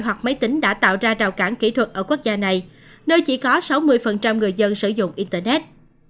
hoặc máy tính đã tạo ra rào cản kỹ thuật ở quốc gia này nơi chỉ có sáu mươi người dân sử dụng internet